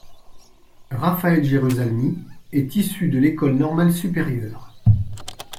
Raphaël Jerusalmy est issu de l'École normale supérieure.